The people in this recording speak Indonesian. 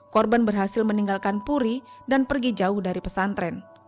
korban berhasil meninggalkan puri dan pergi jauh dari pesantren